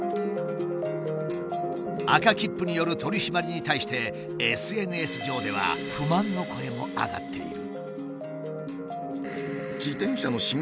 赤切符による取り締まりに対してＳＮＳ上では不満の声も上がっている。